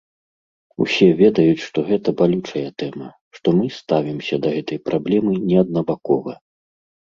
Усе ведаюць, што гэта балючая тэма, што мы ставімся да гэтай праблемы не аднабакова.